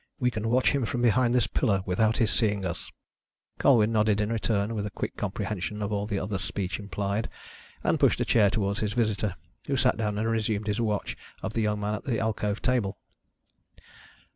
We can watch him from behind this pillar without his seeing us." Colwyn nodded in return with a quick comprehension of all the other's speech implied, and pushed a chair towards his visitor, who sat down and resumed his watch of the young man at the alcove table.